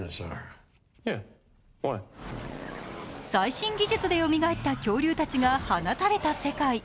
最新技術でよみがえった恐竜たちが放たれた世界。